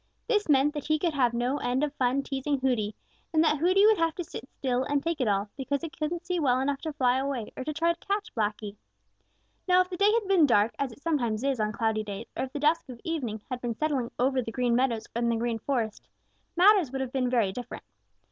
This meant that he could have no end of fun teasing Hooty, and that Hooty would have to sit still and take it all, because he couldn't see well enough to fly away or to try to catch Blacky. Now if the day had been dark, as it sometimes is on cloudy days, or if the dusk of evening had been settling over the Green Meadows and the Green Forest, matters would have been very different.